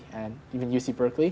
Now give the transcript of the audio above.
dan bahkan uc berkeley